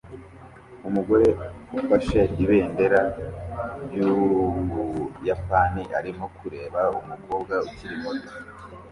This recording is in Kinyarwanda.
Umugore ufashe ibendera ry'Ubuyapani arimo kureba umukobwa ukiri muto